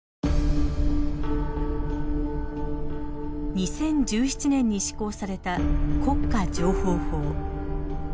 ２０１７年に施行された国家情報法。